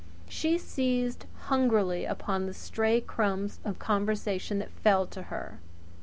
She seized hungrily upon the stray crumbs of conversation that fell to her.